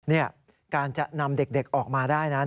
นี่การจะนำเด็กออกมาได้นั้น